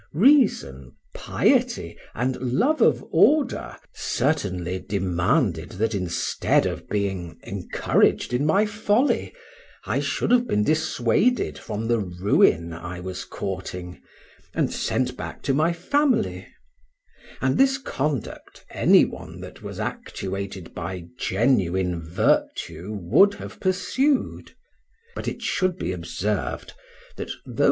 Reason, piety, and love of order, certainly demanded that instead of being encouraged in my folly, I should have been dissuaded from the ruin I was courting, and sent back to my family; and this conduct any one that was actuated by genuine virtue would have pursued; but it should be observed that though M.